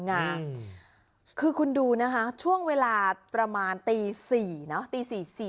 งาคือคุณดูนะฮะช่วงเวลาประมาณตีสี่เนอะตีสี่สี่